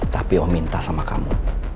tapi om minta sama kamu